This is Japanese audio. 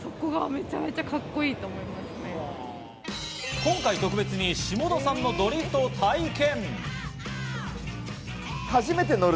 今回、特別に下田さんのドリフトを体験！